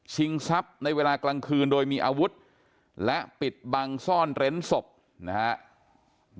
ทรัพย์ในเวลากลางคืนโดยมีอาวุธและปิดบังซ่อนเร้นศพนะครับ